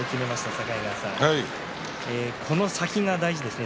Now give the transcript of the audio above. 境川さん、この先が大事ですね。